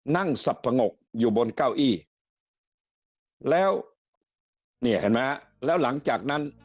นั่งสับผงกอยู่บนเก้าอี้แล้วเนี่ยเห็นไหมแล้วหลังจากนั้น